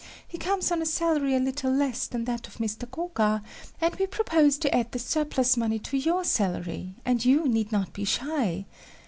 He comes on a salary a little less than that of Mr. Koga, and we propose to add the surplus money to your salary, and you need not be shy.